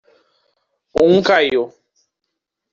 Um caiu